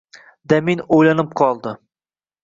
Damin o‘ylanib qoldi.